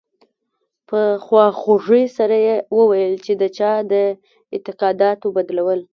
په خواخوږۍ سره یې وویل چې د چا د اعتقاداتو بدلول.